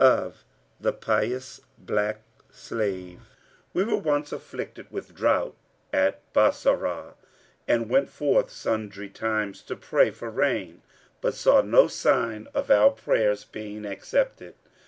of THE PIOUS BLACK SLAVE. "We were once afflicted with drought at Bassorah and went forth sundry times to pray for rain, but saw no sign of our prayers being accepted.